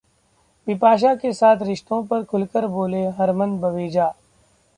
बिपाशा के साथ रिश्तों पर खुलकर बोले हरमन बवेजा